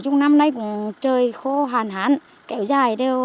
năm nay trời khô hàn hạn kéo dài